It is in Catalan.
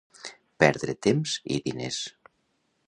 Perdre temps i diners.